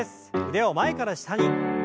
腕を前から下に。